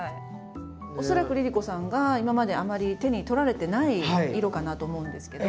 恐らくＬｉＬｉＣｏさんが今まであまり手に取られてない色かなと思うんですけど。